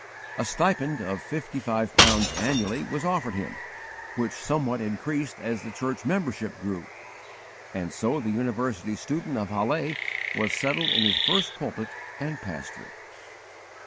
A stipend, of fifty five pounds annually, was offered him, which somewhat increased as the church membership grew; and so the university student of Halle was settled in his first pulpit and pastorate.